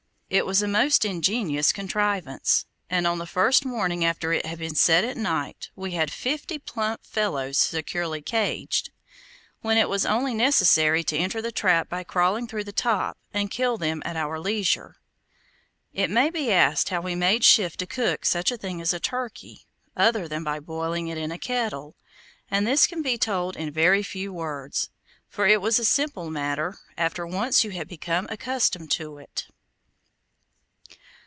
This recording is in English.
It was a most ingenious contrivance, and on the first morning after it had been set at night, we had fifty plump fellows securely caged, when it was only necessary to enter the trap by crawling through the top, and kill them at our leisure. It may be asked how we made shift to cook such a thing as a turkey, other than by boiling it in a kettle, and this can be told in very few words, for it was a simple matter after once you had become accustomed to it.